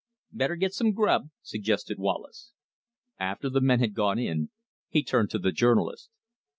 "Better get some grub," suggested Wallace. After the men had gone in, he turned to the journalist.